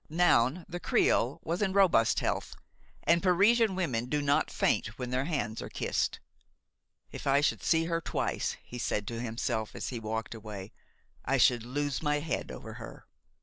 Noun, the creole, was in robust health, and Parisian women do not faint when their hands are kissed. "If I should see her twice," he said to himself as he walked away, "I should lose my head over her."